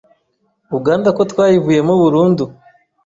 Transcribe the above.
Uganda ko twayivuyemo burundu